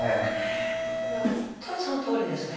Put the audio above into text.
これはほんとにそのとおりですね